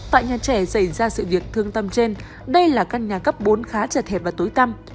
tại nhà trẻ xảy ra sự việc thương tâm trên đây là căn nhà cấp bốn khá chật hẹp và tối tăm